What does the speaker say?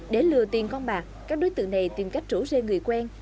để lừa tiền con bạc các đối tượng này tìm cách rủ rê người quen